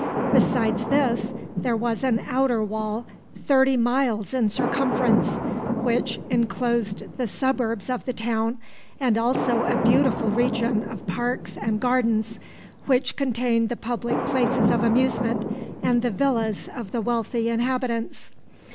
Besides this there was an outer wall, thirty miles in circumference, which inclosed the suburbs of the town, and also a beautiful region of parks and gardens, which contained the public places of amusement and the villas of the wealthy inhabitants.